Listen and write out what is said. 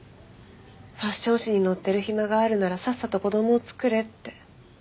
ファッション誌に載ってる暇があるならさっさと子供を作れって。